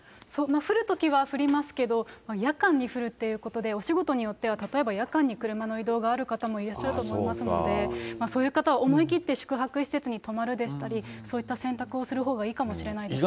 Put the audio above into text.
降るときは降りますけど、夜間に降るということで、お仕事によっては例えば夜間に車の移動がある方もいらっしゃると思いますので、そういう方は思いきって宿泊施設に泊まるでしたり、そういった選択をする方がいいかもしれないですね。